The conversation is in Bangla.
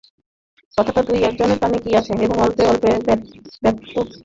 কথাটা দুই-এক জনের কানে গিয়াছে এবং অল্পে অল্পে ব্যাপ্ত হইবারও চেষ্টা করিতেছে।